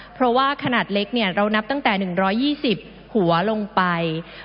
เพราะว่าขนาดเล็กเรานับตั้งแต่๑๒๐หัวลงไป